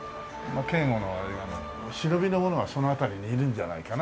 警護のあれが忍びの者がその辺りにいるんじゃないかな。